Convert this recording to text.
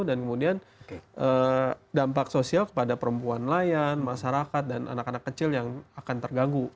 dan kemudian dampak sosial kepada perempuan nelayan masyarakat dan anak anak kecil yang akan terganggu